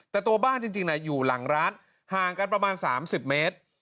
แต่ตัวบ้านจริงอยู่หลังร้านห่างกันประมาณ๓๐เมตร